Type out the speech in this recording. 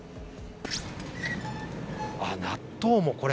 ああ、納豆もこれ、